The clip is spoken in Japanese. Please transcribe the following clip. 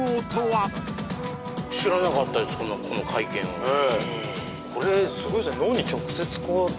このこの会見をええこれすごいですねああ